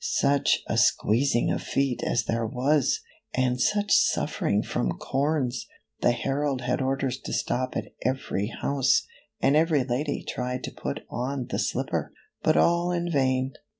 Such a squeezing of feet as there was ! and such suffering from corns ! The herald had orders to stop at every house, and every lady tried to put on the slipper, but all in vain.